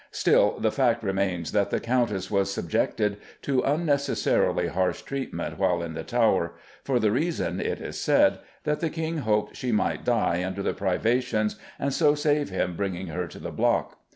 Still, the fact remains that the Countess was subjected to unnecessarily harsh treatment while in the Tower, for the reason, it is said, that the King hoped she might die under the privations and so save him bringing her to the block.